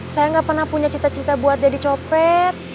saya gak pernah punya cita cita buat jadi copet